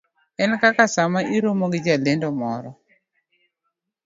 en kaka sama iromo gi jalendo moro